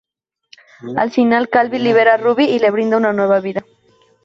Al final Calvin libera a Ruby y le brinda una nueva vida.